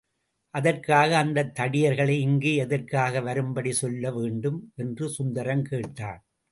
அதற்காக அந்தத் தடியர்களை இங்கு எதற்காக வரும்படி சொல்ல வேண்டும்? என்று சுந்தரம் கேட்டான்.